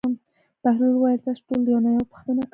بهلول وویل: تاسو ټولو نه یوه پوښتنه کوم.